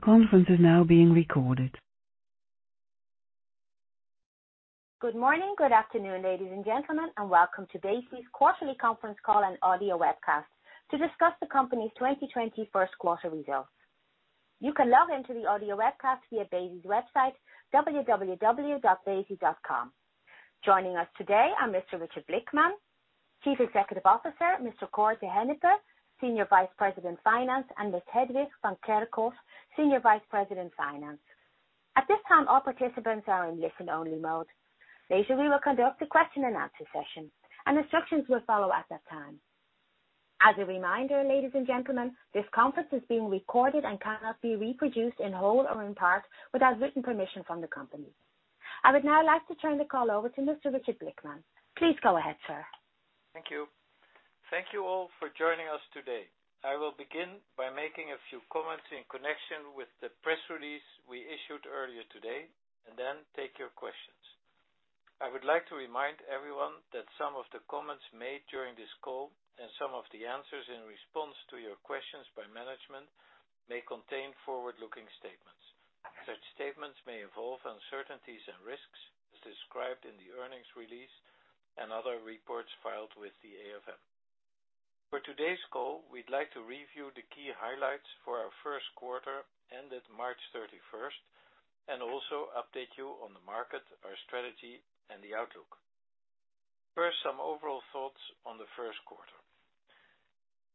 Good morning, good afternoon, ladies and gentlemen, and welcome to BESI's quarterly conference call and audio webcast to discuss the company's 2020 first quarter results. You can log into the audio webcast via BESI's website, www.besi.com. Joining us today are Mr. Richard Blickman, Chief Executive Officer, Mr. Cor te Hennepe, Senior Vice President, Finance, and Ms. Claudia Vissers, Senior Vice President, Finance. At this time, all participants are in listen-only mode. Later, we will conduct a question and answer session, and instructions will follow at that time. As a reminder, ladies and gentlemen, this conference is being recorded and cannot be reproduced in whole or in part without written permission from the company. I would now like to turn the call over to Mr. Richard Blickman. Please go ahead, sir. Thank you. Thank you all for joining us today. I will begin by making a few comments in connection with the press release we issued earlier today, and then take your questions. I would like to remind everyone that some of the comments made during this call, and some of the answers in response to your questions by management, may contain forward-looking statements. Such statements may involve uncertainties and risks as described in the earnings release and other reports filed with the AFM. For today's call, we'd like to review the key highlights for our first quarter ended March 31st, and also update you on the market, our strategy, and the outlook. First, some overall thoughts on the first quarter.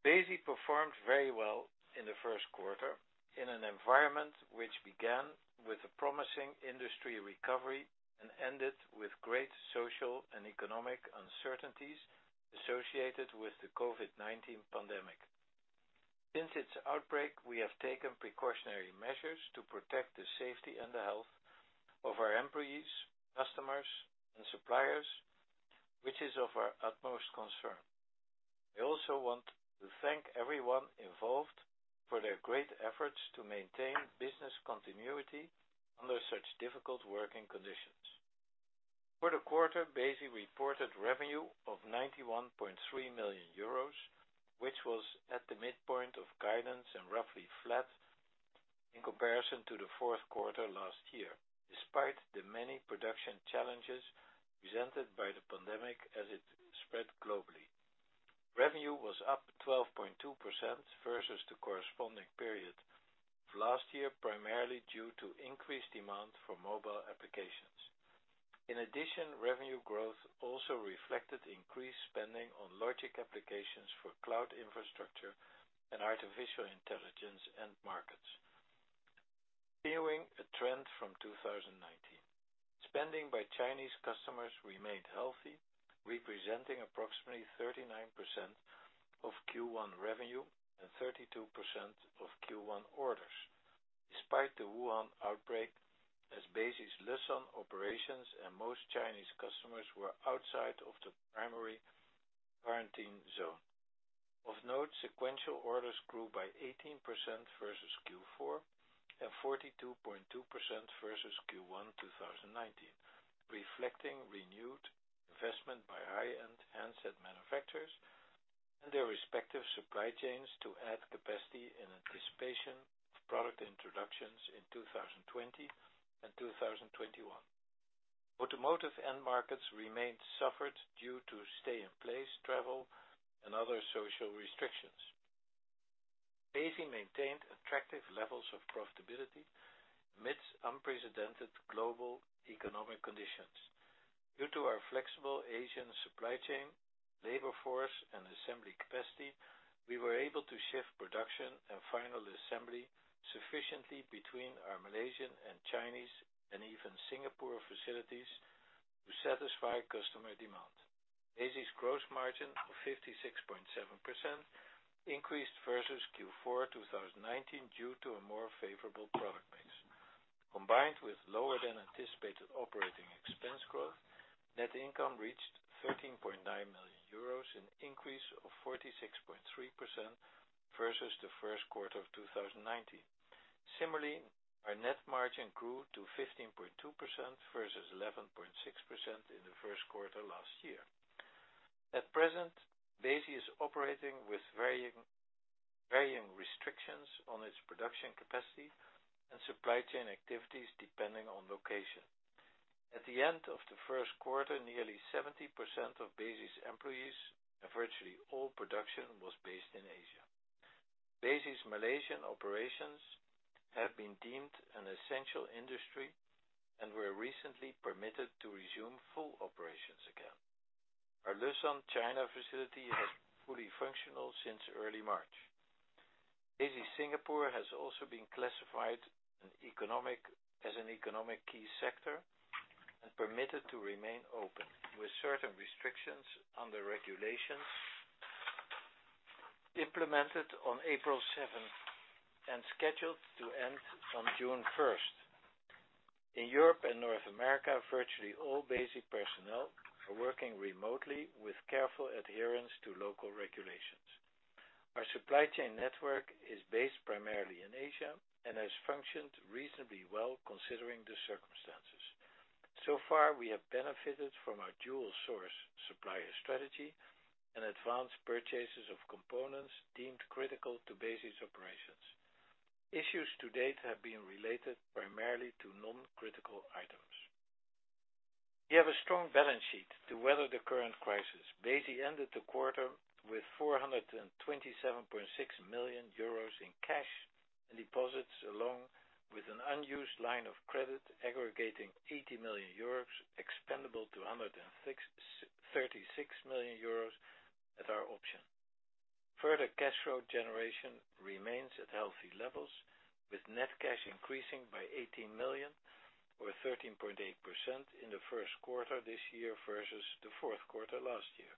BESI performed very well in the first quarter in an environment which began with a promising industry recovery and ended with great social and economic uncertainties associated with the COVID-19 pandemic. Since its outbreak, we have taken precautionary measures to protect the safety and the health of our employees, customers, and suppliers, which is of our utmost concern. We also want to thank everyone involved for their great efforts to maintain business continuity under such difficult working conditions. For the quarter, BESI reported revenue of 91.3 million euros, which was at the midpoint of guidance and roughly flat in comparison to the fourth quarter last year, despite the many production challenges presented by the pandemic as it spread globally. Revenue was up 12.2% versus the corresponding period of last year, primarily due to increased demand for mobile applications. In addition, revenue growth also reflected increased spending on logic applications for cloud infrastructure and artificial intelligence end markets. Continuing a trend from 2019, spending by Chinese customers remained healthy, representing approximately 39% of Q1 revenue and 32% of Q1 orders, despite the Wuhan outbreak, as BESI's Leshan operations and most Chinese customers were outside of the primary quarantine zone. Of note, sequential orders grew by 18% versus Q4 and 42.2% versus Q1 2019, reflecting renewed investment by high-end handset manufacturers and their respective supply chains to add capacity in anticipation of product introductions in 2020 and 2021. Automotive end markets remained soft due to stay-in-place travel and other social restrictions. BESI maintained attractive levels of profitability amidst unprecedented global economic conditions. Due to our flexible Asian supply chain, labor force, and assembly capacity, we were able to shift production and final assembly sufficiently between our Malaysian and Chinese, and even Singapore facilities to satisfy customer demand. BESI's gross margin of 56.7% increased versus Q4 2019 due to a more favorable product mix. Combined with lower than anticipated operating expense growth, net income reached 13.9 million euros, an increase of 46.3% versus the first quarter of 2019. Similarly, our net margin grew to 15.2% versus 11.6% in the first quarter last year. At present, BESI is operating with varying restrictions on its production capacity and supply chain activities depending on location. At the end of the first quarter, nearly 70% of BESI's employees and virtually all production was based in Asia. BESI's Malaysian operations have been deemed an essential industry and were recently permitted to resume full operations again. Our Leshan, China, facility has been fully functional since early March. BESI Singapore has also been classified as an economic key sector and permitted to remain open with certain restrictions under regulations implemented on April 7th and scheduled to end on June 1st. In and North America, virtually all BESI personnel are working remotely with careful adherence to local regulations. Our supply chain network is based primarily in Asia and has functioned reasonably well considering the circumstances. So far, we have benefited from our dual source supplier strategy and advanced purchases of components deemed critical to BESI's operations. Issues to date have been related primarily to non-critical items. We have a strong balance sheet to weather the current crisis. BESI ended the quarter with 427.6 million euros in cash and deposits, along with an unused line of credit aggregating 80 million euros, expandable to 136 million euros at our option. Further cash flow generation remains at healthy levels, with net cash increasing by 18 million or 13.8% in the first quarter this year versus the fourth quarter last year,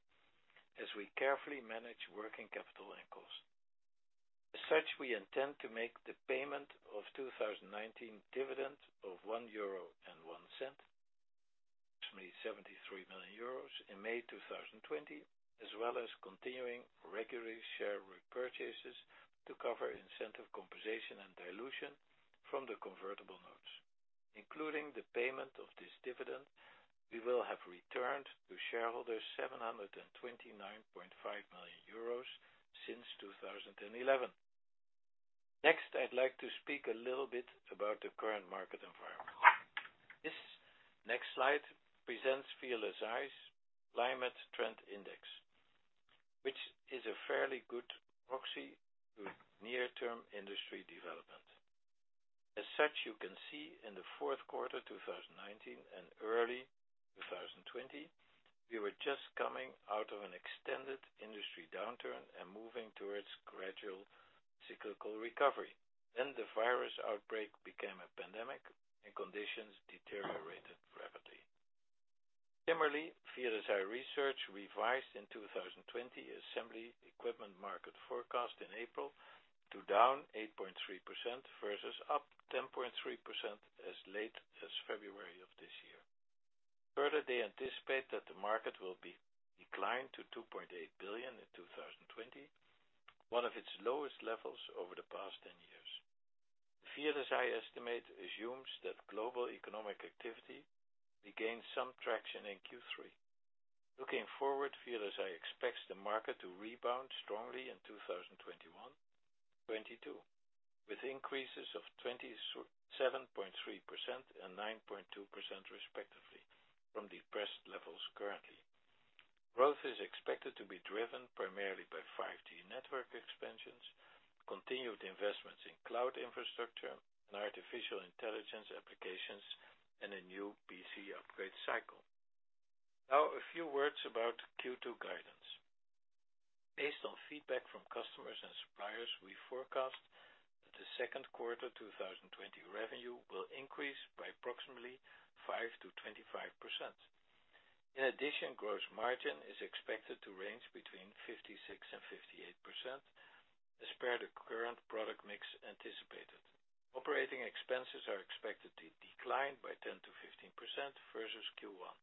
as we carefully manage working capital and cost. We intend to make the payment of 2019 dividend of 1.01 euro, approximately 73 million euros in May 2020, as well as continuing regular share repurchases to cover incentive compensation and dilution from the convertible notes. Including the payment of this dividend, we will have returned to shareholders 729.5 million euros since 2011. I'd like to speak a little bit about the current market environment. This next slide presents VLSI's climate trend index, which is a fairly good proxy to near term industry development. As such, you can see in the fourth quarter 2019 and early 2020, we were just coming out of an extended industry downturn and moving towards gradual cyclical recovery. The virus outbreak became a pandemic and conditions deteriorated rapidly. Similarly, VLSI Research revised its 2020 assembly equipment market forecast in April to down 8.3% versus up 10.3% as late as February of this year. They anticipate that the market will be declined to 2.8 billion in 2020, one of its lowest levels over the past 10 years. The VLSI estimate assumes that global economic activity regains some traction in Q3. Looking forward, VLSI expects the market to rebound strongly in 2021, 2022, with increases of 27.3% and 9.2% respectively from depressed levels currently. Growth is expected to be driven primarily by 5G network expansions, continued investments in cloud infrastructure and artificial intelligence applications, and a new PC upgrade cycle. Now a few words about Q2 guidance. Based on feedback from customers and suppliers, we forecast that the second quarter 2020 revenue will increase by approximately 5%-25%. In addition, gross margin is expected to range between 56% and 58%, as per the current product mix anticipated. Operating expenses are expected to decline by 10%-15% versus Q1,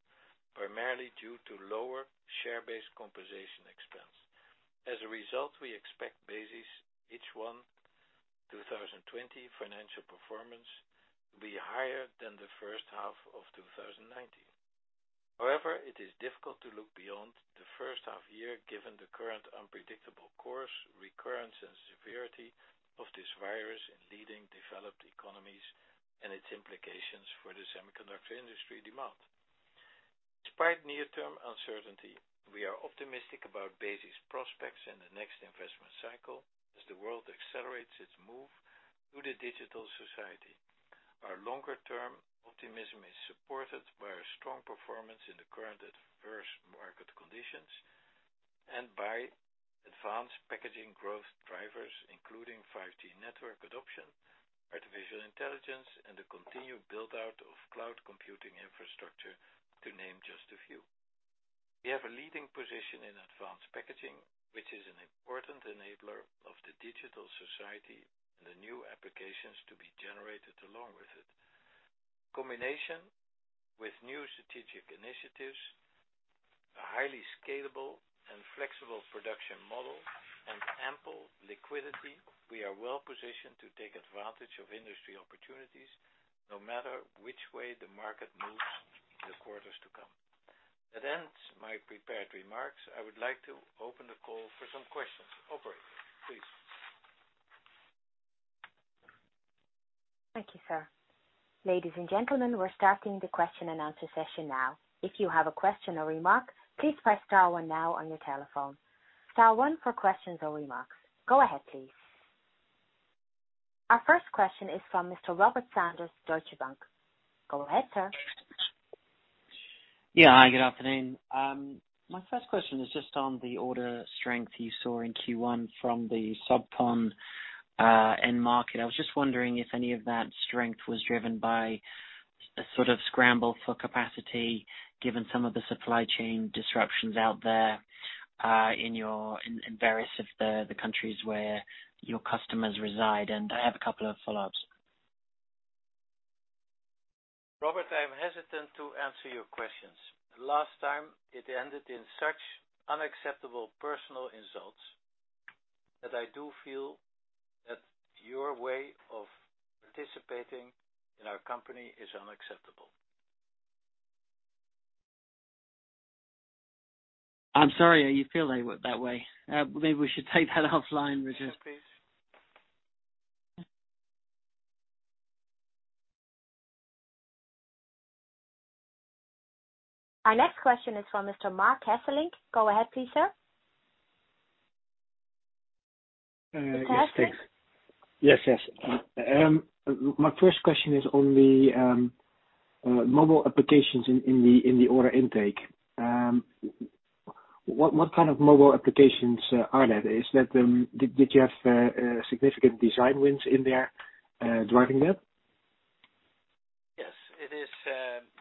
primarily due to lower share-based compensation expense. As a result, we expect BESI's H1 2020 financial performance to be higher than the first half of 2019. However, it is difficult to look beyond the first half year given the current unpredictable course, recurrence, and severity of this virus in leading developed economies and its implications for the semiconductor industry demand. Despite near-term uncertainty, we are optimistic about BESI's prospects in the next investment cycle as the world accelerates its move to the digital society. Our longer-term optimism is supported by our strong performance in the current adverse market conditions and by advanced packaging growth drivers, including 5G network adoption, artificial intelligence, and the continued build-out of cloud computing infrastructure, to name just a few. We have a leading position in advanced packaging, which is an important enabler of the digital society and the new applications to be generated along with it. Combination with new strategic initiatives, a highly scalable and flexible production model, and ample liquidity, we are well-positioned to take advantage of industry opportunities, no matter which way the market moves in the quarters to come. That ends my prepared remarks. I would like to open the call for some questions. Operator, please. Thank you, sir. Ladies and gentlemen, we're starting the question and answer session now. If you have a question or remark, please press star one now on your telephone. Star one for questions or remarks. Go ahead, please. Our first question is from Mr. Robert Sanders, Deutsche Bank. Go ahead, sir. Yeah. Hi, good afternoon. My first question is just on the order strength you saw in Q1 from the subcon end market. I was just wondering if any of that strength was driven by a sort of scramble for capacity, given some of the supply chain disruptions out there in various of the countries where your customers reside. I have a couple of follow-ups. Robert, I am hesitant to answer your questions. Last time, it ended in such unacceptable personal insults. I do feel that your way of participating in our company is unacceptable. I'm sorry you feel that way. Maybe we should take that offline, Richard. Yes, please. Our next question is from Mr. Marc Hesselink. Go ahead, please, sir. Mr. Hesselink? Yes. My first question is on the mobile applications in the order intake. What kind of mobile applications are that? Did you have significant design wins in there driving that? Yes, it is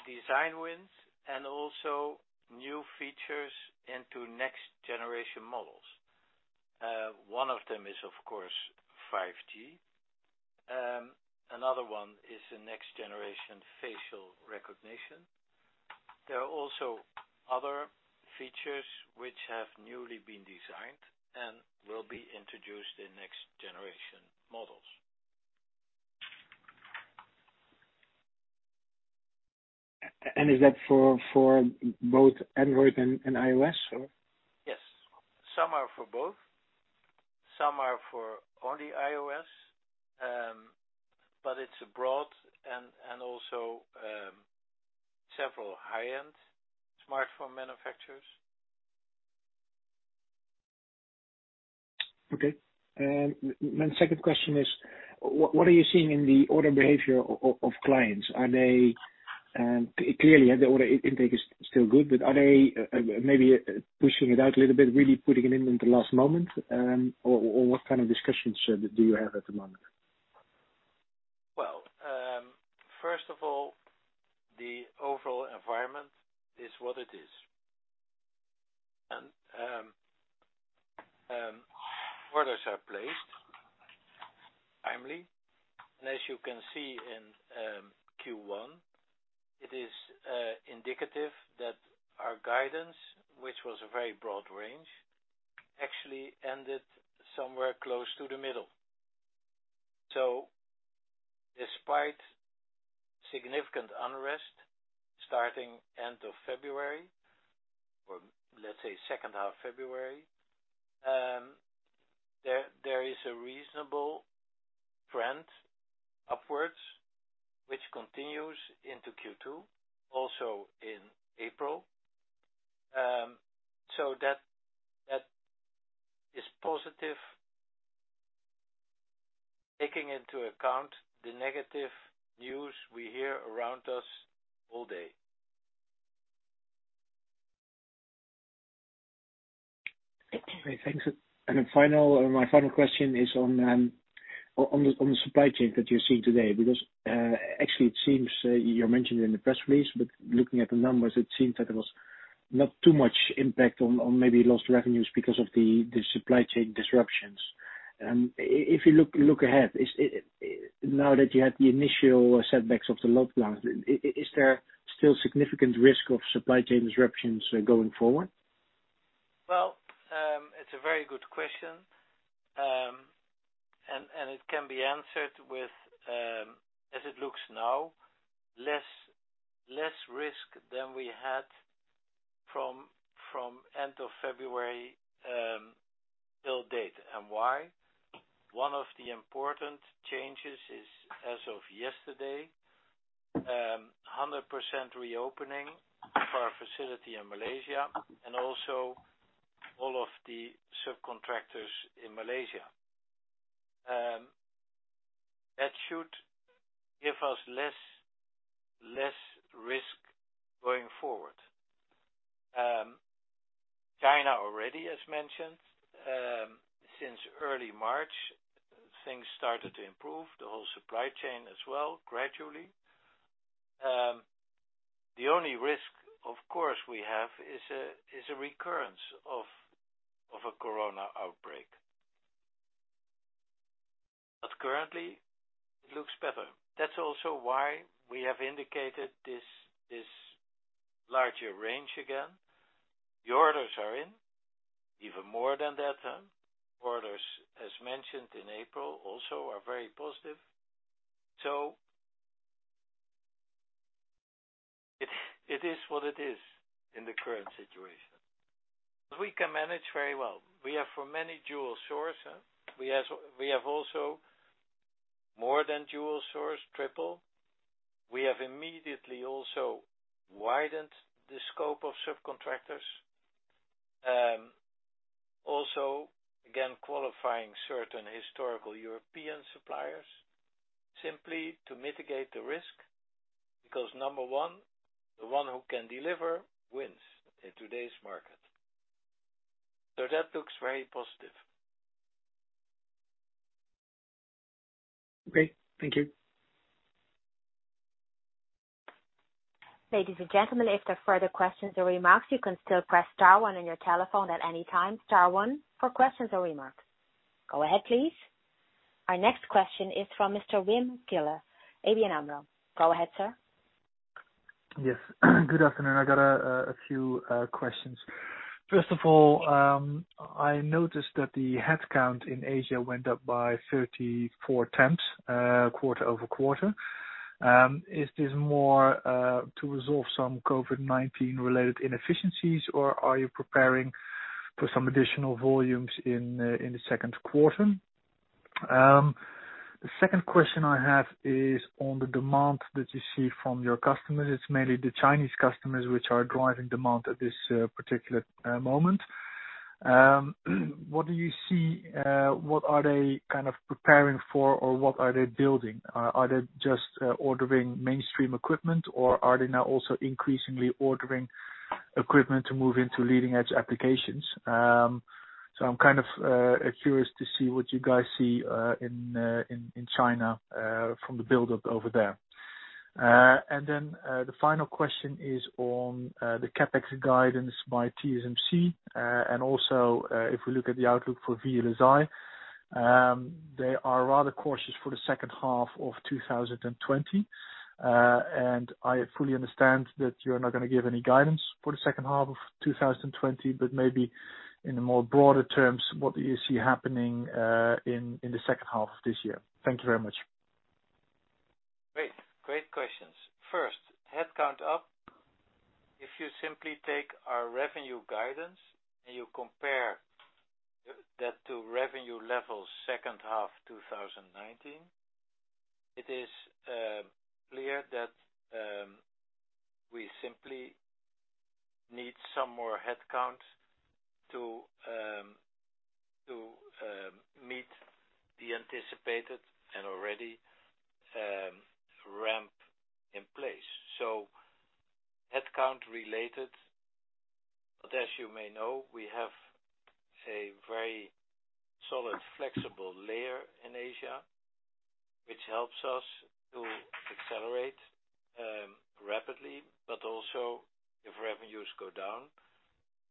design wins and also new features into next-generation models. One of them is, of course, 5G. Another one is the next-generation facial recognition. There are also other features which have newly been designed and will be introduced in next-generation models. Is that for both Android and iOS? Yes. Some are for both, some are for only iOS, but it's broad and also several high-end smartphone manufacturers. Okay. My second question is, what are you seeing in the order behavior of clients? Clearly, the order intake is still good, but are they maybe pushing it out a little bit, really putting it in at the last moment? What kind of discussions do you have at the moment? Well, first of all, the overall environment is what it is. Orders are placed timely, and as you can see in Q1, it is indicative that our guidance, which was a very broad range, actually ended somewhere close to the middle. Despite significant unrest starting end of February, or let's say second half of February, there is a reasonable trend upwards, which continues into Q2, also in April. That is positive, taking into account the negative news we hear around us all day. Okay, thanks. My final question is on the supply chain that you're seeing today, because actually, you mentioned it in the press release, but looking at the numbers, it seems that there was not too much impact on maybe lost revenues because of the supply chain disruptions. If you look ahead, now that you had the initial setbacks of the lockdowns, is there still significant risk of supply chain disruptions going forward? Well, it's a very good question, and it can be answered with, as it looks now, less risk than we had from end of February till date. Why? One of the important changes is, as of yesterday, 100% reopening for our facility in Malaysia and also all of the subcontractors in Malaysia. That should give us less risk going forward. China already, as mentioned, since early March, things started to improve, the whole supply chain as well, gradually. The only risk, of course, we have is a recurrence of a corona outbreak. Currently, it looks better. That's also why we have indicated this larger range again. The orders are in, even more than that. Orders, as mentioned in April, also are very positive. It is what it is in the current situation. We can manage very well. We have for many dual source. We have also more than dual source, triple. We have immediately also widened the scope of subcontractors. Again, qualifying certain historical an suppliers simply to mitigate the risk, because number one, the one who can deliver wins in today's market. That looks very positive. Great. Thank you. Ladies and gentlemen, if there are further questions or remarks, you can still press star one on your telephone at any time. Star one for questions or remarks. Go ahead, please. Our next question is from Mr. Wim Gille, ABN AMRO. Go ahead, sir. Yes. Good afternoon. I got a few questions. First of all, I noticed that the headcount in Asia went up by 34 temps quarter-over-quarter. Is this more to resolve some COVID-19-related inefficiencies, or are you preparing for some additional volumes in the second quarter? The second question I have is on the demand that you see from your customers. It's mainly the Chinese customers which are driving demand at this particular moment. What do you see? What are they preparing for, or what are they building? Are they just ordering mainstream equipment, or are they now also increasingly ordering equipment to move into leading-edge applications? I'm kind of curious to see what you guys see in China from the build-up over there. The final question is on the CapEx guidance by TSMC, also, if we look at the outlook for VLSI, they are rather cautious for the second half of 2020. I fully understand that you're not going to give any guidance for the second half of 2020, but maybe in the more broader terms, what do you see happening in the second half of this year? Thank you very much. Great questions. Headcount up. If you simply take our revenue guidance and you compare that to revenue levels second half 2019, it is clear that we simply need some more headcount to meet the anticipated and already ramp in place. Headcount-related, but as you may know, we have a very solid, flexible layer in Asia, which helps us to accelerate rapidly, but also if revenues go down,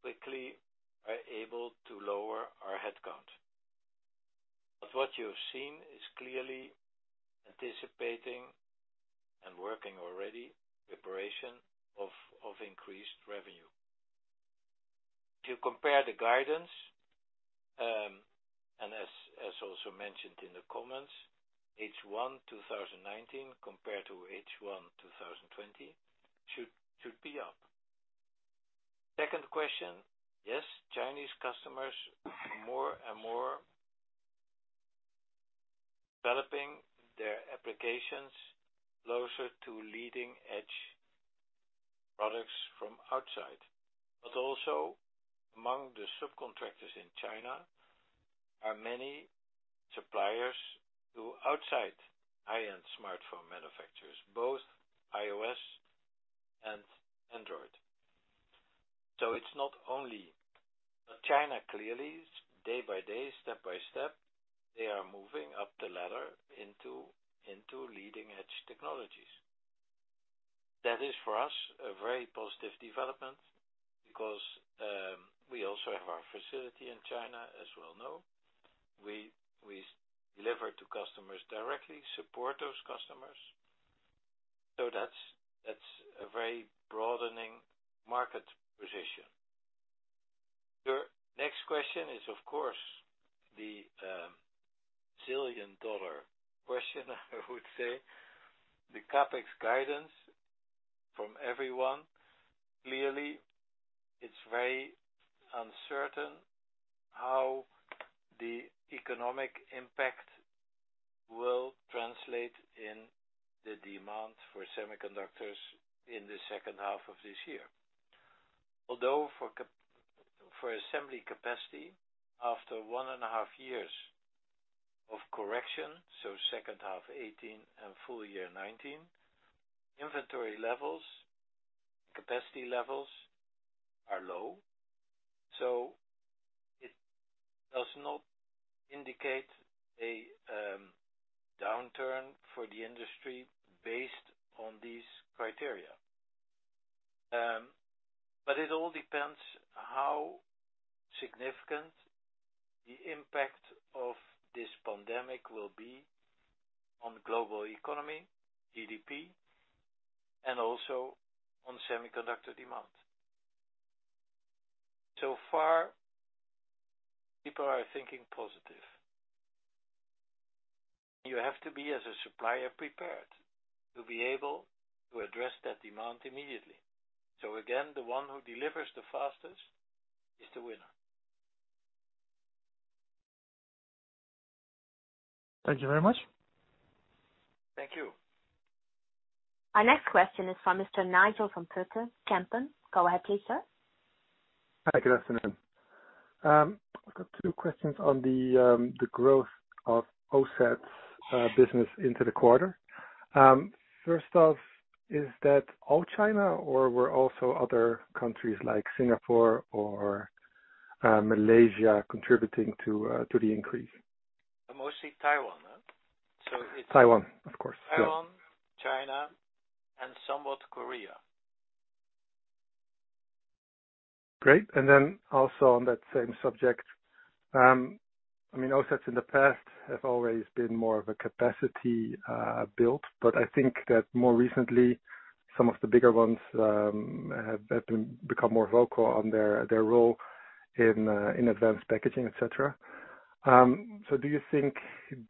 quickly we're able to lower our headcount. What you've seen is clearly anticipating and working already preparation of increased revenue. To compare the guidance, as also mentioned in the comments, H1 2019 compared to H1 2020 should be up. Second question, yes, Chinese customers are more and more developing their applications closer to leading-edge products from outside. Also, among the subcontractors in China are many suppliers who outside high-end smartphone manufacturers, both iOS and Android. It's not only China, clearly, day by day, step by step, they are moving up the ladder into leading-edge technologies. That is, for us, a very positive development because, we also have our facility in China, as we all know. We deliver to customers directly, support those customers. That's a very broadening market position. Your next question is, of course, the zillion-dollar question, I would say, the CapEx guidance from everyone. Clearly, it's very uncertain how the economic impact will translate in the demand for semiconductors in the second half of this year. Although, for assembly capacity, after one and a half years of correction, second half 2018 and full year 2019, inventory levels, capacity levels are low. It does not indicate a downturn for the industry based on these criteria. It all depends how significant the impact of this pandemic will be on global economy, GDP, and also on semiconductor demand. Far, people are thinking positive. You have to be, as a supplier, prepared to be able to address that demand immediately. Again, the one who delivers the fastest is the winner. Thank you very much. Thank you. Our next question is from Mr. Nigel van Putten, Kempen. Go ahead please, sir. Hi, good afternoon. I've got two questions on the growth of OSAT's business into the quarter. First off, is that all China, or were also other countries like Singapore or Malaysia contributing to the increase? Mostly Taiwan. Taiwan, of course. Taiwan, China, and somewhat Korea. Great. Then also on that same subject, OSATs in the past have always been more of a capacity build, but I think that more recently, some of the bigger ones have become more vocal on their role in advanced packaging, et cetera. Do you think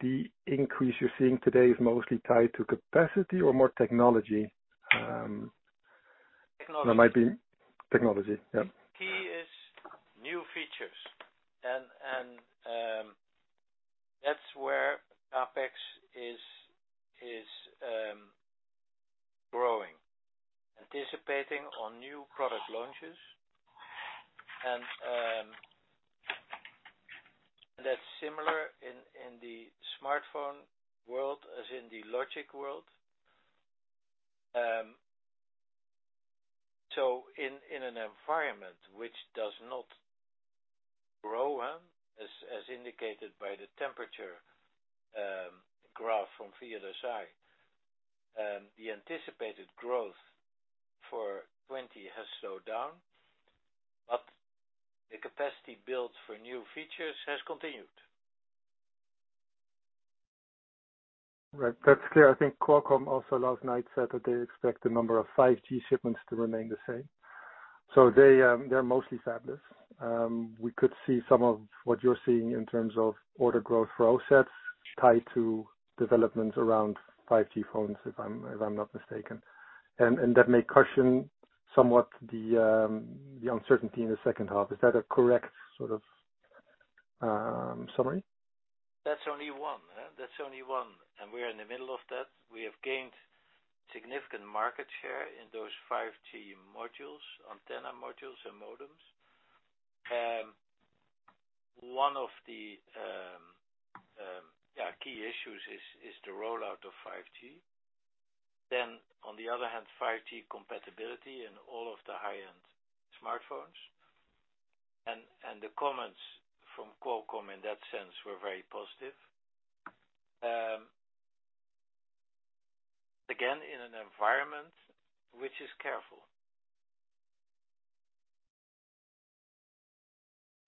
the increase you're seeing today is mostly tied to capacity or more technology? Technology. That might be technology, yeah. Key is new features, and that's where CapEx is growing, anticipating on new product launches. That's similar in the smartphone world as in the logic world. In an environment which does not grow, as indicated by the temperature graph from Viavi, the anticipated growth for 2020 has slowed down, but the capacity build for new features has continued. Right. That's clear. I think Qualcomm also last night said that they expect the number of 5G shipments to remain the same. They're mostly fabless. We could see some of what you're seeing in terms of order growth for OSATs tied to developments around 5G phones, if I'm not mistaken. That may cushion somewhat the uncertainty in the second half. Is that a correct sort of summary? That's only one. That's only one, and we are in the middle of that. We have gained significant market share in those 5G modules, antenna modules, and modems. One of the key issues is the rollout of 5G. On the other hand, 5G compatibility in all of the high-end smartphones. The comments from Qualcomm in that sense were very positive. Again, in an environment which is careful.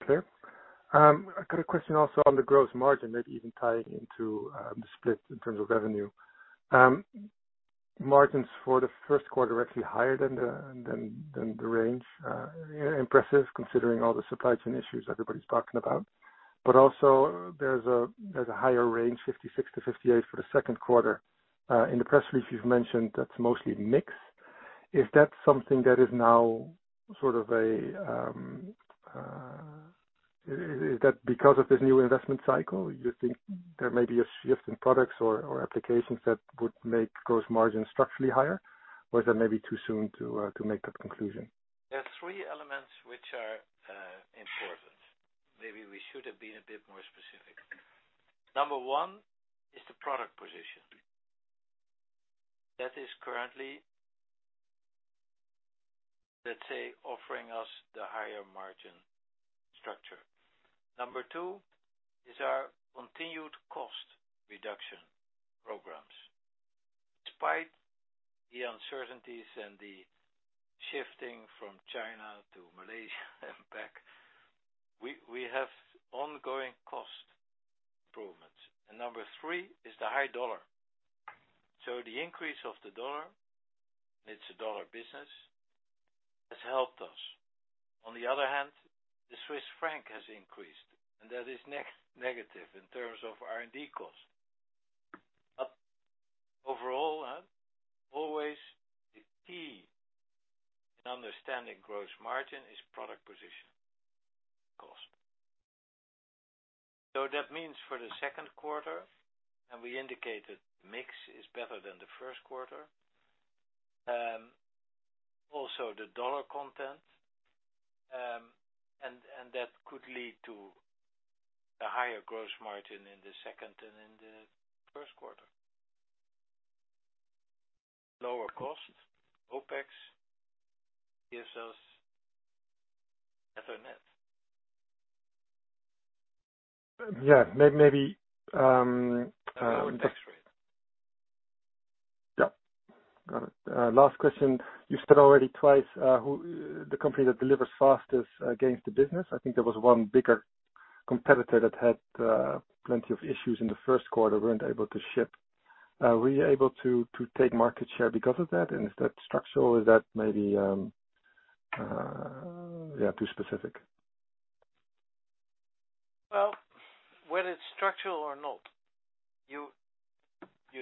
Clear. I got a question also on the gross margin, maybe even tying into the split in terms of revenue. Margins for the first quarter are actually higher than the range. Impressive, considering all the supply chain issues everybody's talking about. There's a higher range, 56%-58% for the second quarter. In the press release, you've mentioned that's mostly mix. Is that something that is now because of this new investment cycle, you think there may be a shift in products or applications that would make gross margin structurally higher? Is that maybe too soon to make that conclusion? There are three elements which are important. Maybe we should have been a bit more specific. Number one is the product position. That is currently, let's say, offering us the higher margin structure. Number two is our continued cost reduction programs. Despite the uncertainties and the shifting from China to Malaysia and back, we have ongoing cost improvements. Number three is the high US dollar. The increase of the U.S. dollar, it's a U.S. dollar business, has helped us. On the other hand, the Swiss franc has increased, and that is negative in terms of R&D cost. Overall, always the key in understanding gross margin is product position cost. That means for the second quarter, and we indicated mix is better than the first quarter. Also, the U.S. dollar content, and that could lead to a higher gross margin in the second than in the first quarter. Lower cost, OpEx, gives us better net. Yeah. Lower tax rate. Yeah. Got it. Last question. You said already twice, the company that delivers fastest gains the business. I think there was one bigger competitor that had plenty of issues in the first quarter, weren't able to ship. Were you able to take market share because of that? Is that structural or is that maybe too specific? Well, whether it's structural or not, you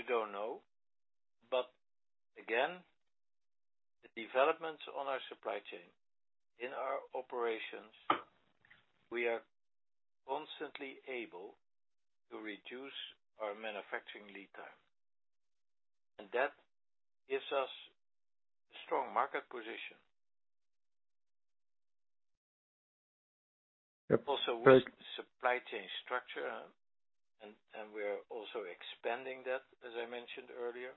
don't know. Again, the developments on our supply chain, in our operations, we are constantly able to reduce our manufacturing lead time. That gives us a strong market position. Yep. With supply chain structure, we are also expanding that, as I mentioned earlier.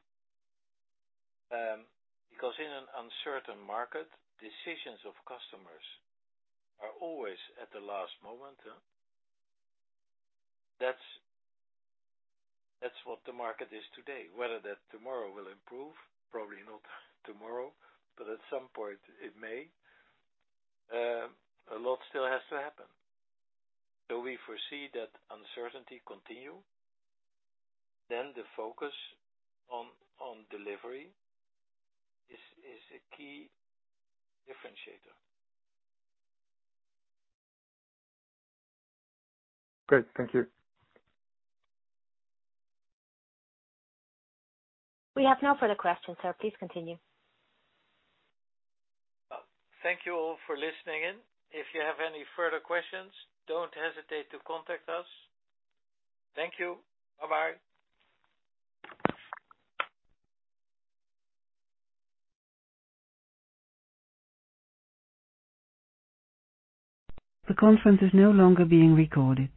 In an uncertain market, decisions of customers are always at the last moment. That's what the market is today. Whether that tomorrow will improve, probably not tomorrow, but at some point it may. A lot still has to happen. We foresee that uncertainty continue, the focus on delivery is a key differentiator. Great. Thank you. We have no further questions, sir. Please continue. Thank you all for listening in. If you have any further questions, don't hesitate to contact us. Thank you. Bye-bye. The conference is no longer being recorded.